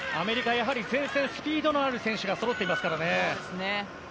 やはり前線スピードのある選手がそろっていますからね。